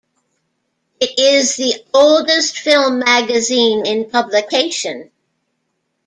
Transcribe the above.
It is the oldest film magazine in publication.